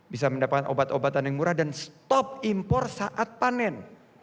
bisa mendapatkan obat obatan yang murah dan stop impor saat panen